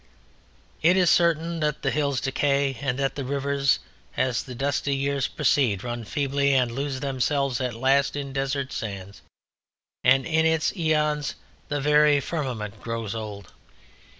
It is certain that the hills decay and that rivers as the dusty years proceed run feebly and lose themselves at last in desert sands; and in its aeons the very firmament grows old.